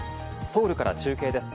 ソウルから中継です。